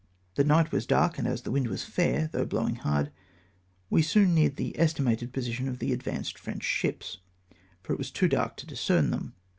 The night was dark, and as the wind was fair, though blowing hard, we soon neared the estimated position of the advanced French ships, for it was too dark to discern them.